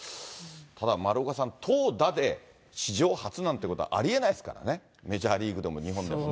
ただ丸岡さん、投打で史上初なんてことはありえないですからね、メジャーリーグでも日本でもね。